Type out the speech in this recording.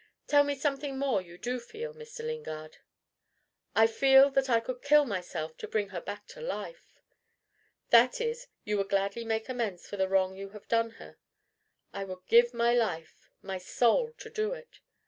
Tell me something more you do feel, Mr. Lingard." "I feel that I could kill myself to bring her back to life." "That is, you would gladly make amends for the wrong you have done her." "I would give my life, my soul, to do it."